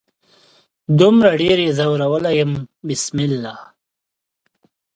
دومره ډیر يې ځورولي يم بسمله